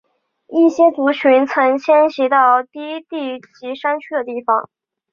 一些族群曾迁徙到低地及山区的地方。